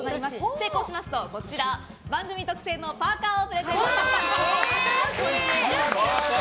成功しますと番組特製のパーカをプレゼントいたします。